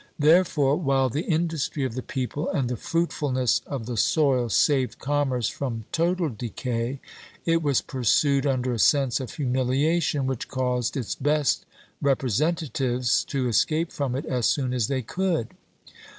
Therefore, while the industry of the people and the fruitfulness of the soil saved commerce from total decay, it was pursued under a sense of humiliation which caused its best representatives to escape from it as soon as they could.